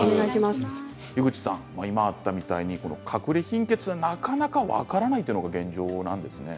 今あったみたいにかくれ貧血なかなか分からないというのが現状なんですね。